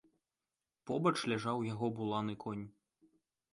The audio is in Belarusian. Побач ляжаў яго буланы конь.